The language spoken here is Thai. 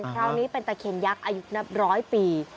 คราวนี้เป็นตะเคียนยักษ์อายุนับร้อยปี